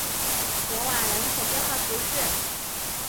索瓦人口变化图示